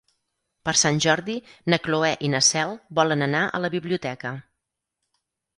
Per Sant Jordi na Cloè i na Cel volen anar a la biblioteca.